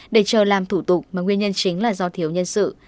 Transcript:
để chờ làm thủ tục mà nguyên nhân chính là do thiếu nhân sự